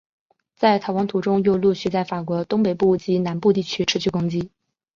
在逃亡途中又陆续在法国东北部及南部地区持续攻击。